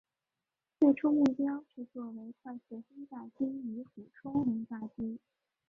最初目标是作为快速轰炸机与俯冲轰炸机。